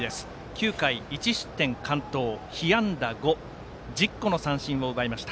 ９回１失点、被安打５１０個の三振を奪いました。